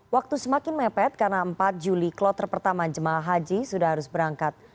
waktu semakin mepet karena empat juli kloter pertama jemaah haji sudah harus berangkat